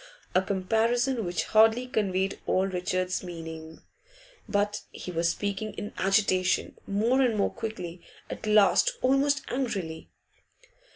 A comparison which hardly conveyed all Richard's meaning; but he was speaking in agitation, more and more quickly, at last almost angrily.